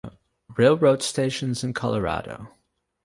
Railroad stations in Colorado